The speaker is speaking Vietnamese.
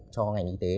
cho ngành y tế